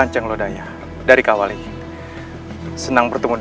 terus aku mau berhenti berubah